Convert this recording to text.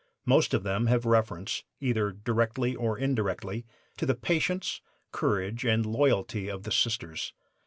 Most of them have reference, either directly or indirectly, to the patience, courage and loyalty of the Sisters.